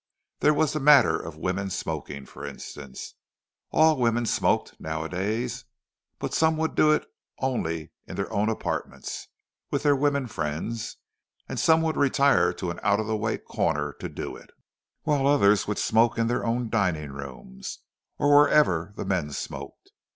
There was the matter of women smoking, for instance. All women smoked, nowadays; but some would do it only in their own apartments, with their women friends; and some would retire to an out of the way corner to do it; while others would smoke in their own dining rooms, or wherever the men smoked.